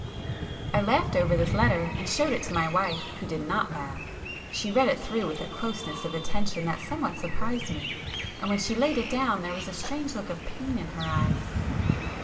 I laughed over this letter and showed it to my wife, who did not laugh. She read it through with a closeness of attention that somewhat surprised me, and when she laid it down there was a strange look of pain in her eyes.